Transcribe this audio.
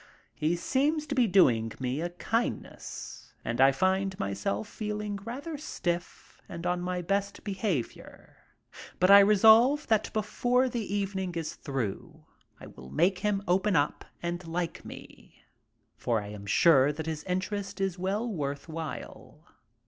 He seems to be doing me a kindness and I find myself feeling rather stiff and on my best behavior, but I resolve that before the evening is through I will make him open up and like me, for I am sure that his interest is well worth while.